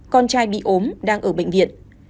con trai bị ốm đang ở bệnh viện